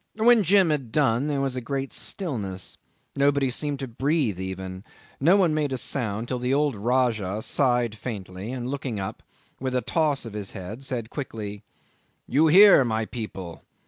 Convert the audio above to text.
When Jim had done there was a great stillness. Nobody seemed to breathe even; no one made a sound till the old Rajah sighed faintly, and looking up, with a toss of his head, said quickly, "You hear, my people!